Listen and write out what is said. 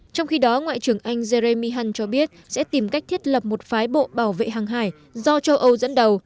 trong khi đó ngoại trưởng anh jeremy hunt cho biết sẽ tìm cách thiết lập một phái bộ bảo vệ hàng hải do châu âu dẫn đầu